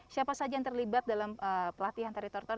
siapa saja yang terlibat dalam pelatihan antaritor tor